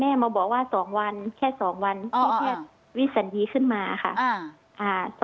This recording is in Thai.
มาบอกว่า๒วันแค่๒วันเขาแค่วิสันดีขึ้นมาค่ะ